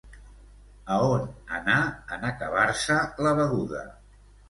A on anà en acabar-se la beguda?